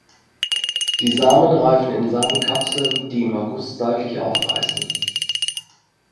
Die Samen reifen in Samenkapseln, die im August seitlich aufreißen.